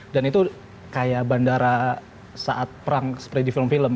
dan itu kayak bandara saat perang seperti di film film